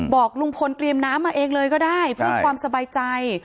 บอกลุงพลเตรียมน้ำมาเองเลยก็ได้เพื่อความสบายใจ